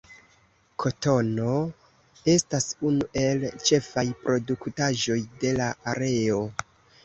Kotono estas unu el ĉefaj produktaĵoj de la areo.